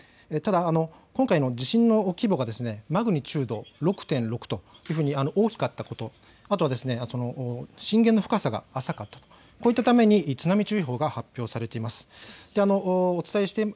ただ今回の地震の規模がマグニチュード６．６というふうに大きかったこと、あとは、震源の深さが浅かったと、こういったために津波注意報が発表されています。